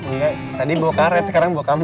enggak tadi bawa karet sekarang bawa kamar